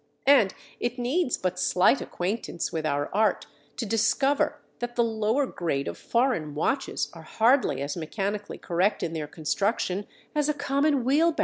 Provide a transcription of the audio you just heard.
And it needs but slight acquaintance with our art to discover that the lower grade of foreign watches are hardly as mechanically correct in their construction as a common wheelbarrow."